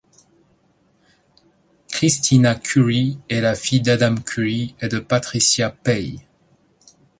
Christina Curry est la fille d'Adam Curry et de Patricia Paay.